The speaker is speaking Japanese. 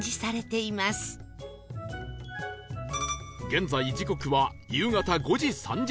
現在時刻は夕方５時３０分